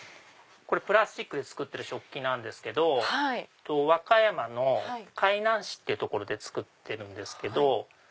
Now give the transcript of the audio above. プラスチックで作ってる食器なんですけど和歌山の海南市って所で作ってるんです。